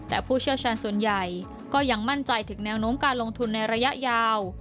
แต่ผู้เชี่ยวชาญส่วนใหญ่ก็ยังมั่นใจถึงแนวโน้มการลงทุนในระยะยาว